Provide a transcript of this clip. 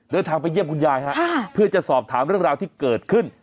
เดินทางไปเยี่ยมคุณยายฮะเพื่อจะสอบถามเรื่องราวที่เกิดขึ้น